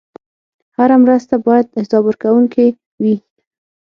هره مرسته باید حسابورکونکې وي.